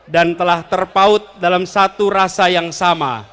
dan telah terpaut dalam satu rasa yang sama